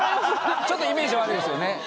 ちょっとイメージ悪いですよね。